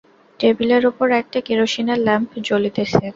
টেবিলের উপর একটা কেরোসিনের ল্যাম্প জ্বলিতেছে।